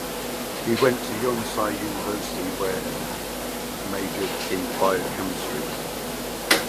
He went to Yonsei University where majored in Biochemistry.